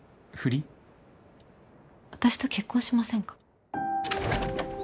私と結婚しませんか。